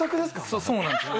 そうなんです。